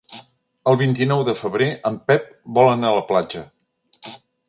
El vint-i-nou de febrer en Pep vol anar a la platja.